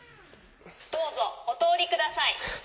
どうぞおとおりください。